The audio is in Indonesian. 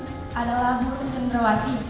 adalah burung cenderawasi